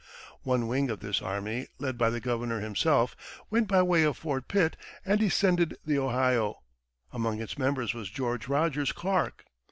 One wing of this army, led by the governor himself, went by way of Fort Pitt and descended the Ohio; among its members was George Rogers Clark.